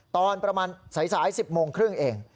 ตอนประมาณสาย๑๐โมงครึ่งเอง